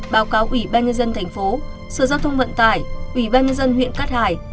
báo cáo ủy ban nhân dân thành phố sở giao thông vận tải ủy ban nhân dân huyện cát hải